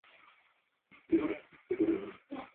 江西新建人。